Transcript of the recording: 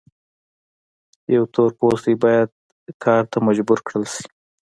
یو تور پوستی باید کار ته مجبور کړل شي.